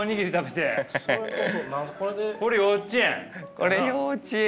これ幼稚園？